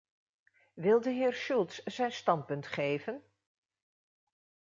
Wil de heerSchulz zijn standpunt geven?